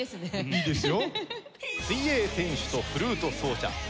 いいですよ。